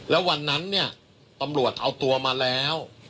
แล้ววันนั้นเนี่ยตำรวจเอาตัวมาแล้ว